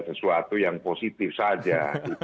sesuatu yang positif saja